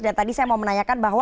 tadi saya mau menanyakan bahwa